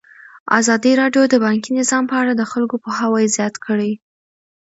ازادي راډیو د بانکي نظام په اړه د خلکو پوهاوی زیات کړی.